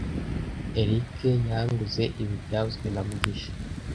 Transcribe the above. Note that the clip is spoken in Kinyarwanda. Eric yanguze ibi byavuzwe na mugabe